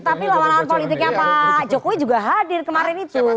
tapi lawan lawan politiknya pak jokowi juga hadir kemarin itu